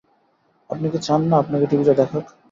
আপনি কি চান না আপনাকে টিভিতে দেখাক?